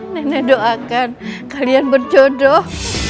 nenek doakan kalian berjodoh